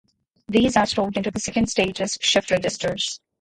These are stored into the second stage's shift registers.